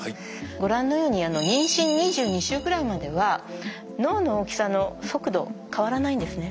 ご覧のように妊娠２２週ぐらいまでは脳の大きさの速度変わらないんですね。